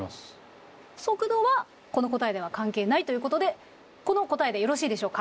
速度はこの答えでは関係ないということでこの答えでよろしいでしょうか？